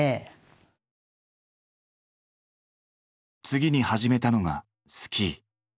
次に始めたのがスキー。